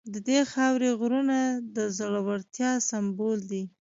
د دې خاورې غرونه د زړورتیا سمبول دي.